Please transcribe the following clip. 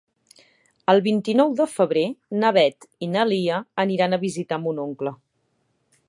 El vint-i-nou de febrer na Beth i na Lia iran a visitar mon oncle.